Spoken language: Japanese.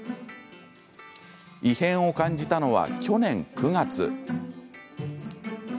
異変を感じたのは、去年９月。